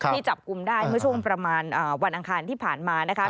จับกลุ่มได้เมื่อช่วงประมาณวันอังคารที่ผ่านมานะคะ